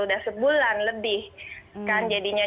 udah sebulan lebih kan jadinya